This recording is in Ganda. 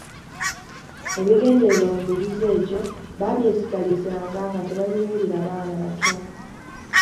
Ebigendererwa mu mizizo egyo baabyesigalizanga nga tebabibuulira baana bato.